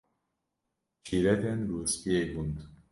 Şîretên Rûspiyê Gund